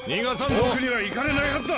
遠くには行かれないはずだ！